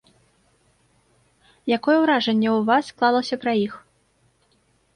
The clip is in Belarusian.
Якое ўражанне ў вас склалася пра іх?